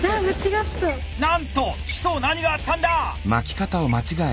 なんと紫桃何があったんだ